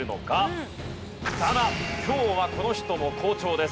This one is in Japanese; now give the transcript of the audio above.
だが今日はこの人も好調です。